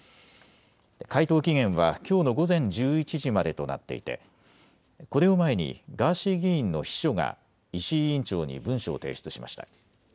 回答期限はきょうの午前１１時までとなっていてこれを前にガーシー議員の秘書が石井委員長に文書を提出しました。